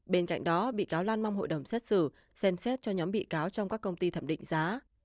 bên cạnh đó bị cáo lan mong hội đồng xét xử xem xét cho nhóm bị cáo trong các công ty thẩm định giá